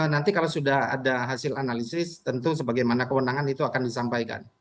nanti kalau sudah ada hasil analisis tentu sebagaimana kewenangan itu akan disampaikan